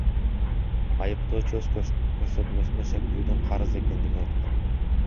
Айыптоочу өз көрсөтмөсүндө шектүүдөн карыз экендигин айткан.